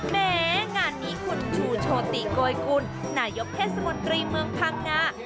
แม้งานนี้คุณชูโชติโกยกุลนายกเทศมนตรีเมืองพังงา